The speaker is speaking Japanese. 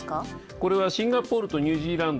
これは、シンガポールとニュージーランド、